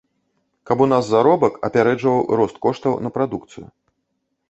Каб у нас заробак апярэджваў рост коштаў на прадукцыю.